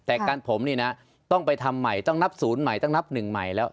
แต่การผมนี่นะต้องไปทำใหม่ต้องนับศูนย์ใหม่ต้องนับหนึ่งใหม่แล้ว